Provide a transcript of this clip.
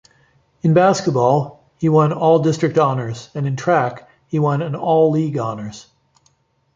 In basketball, he won All-District honors and in track, he won an All-League honors.